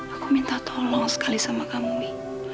aku minta tolong sekali sama kamu